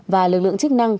và lực lượng chức năng